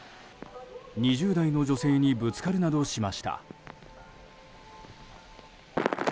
２０代の女性にぶつかるなどしました。